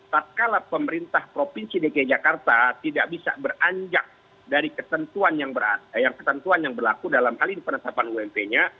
tak kalah pemerintah provinsi dki jakarta tidak bisa beranjak dari ketentuan yang berlaku dalam hal ini penetapan ump nya